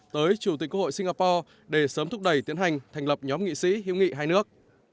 tới chủ tịch quốc hội singapore để sớm thúc đẩy tiến hành thành lập nhóm nghị sĩ hữu nghị hai nước